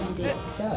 じゃあ。